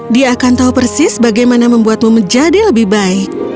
dia akan tahu persis bagaimana membuatmu menjadi lebih baik